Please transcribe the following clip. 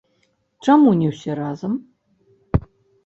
Чаму не ўсе разам?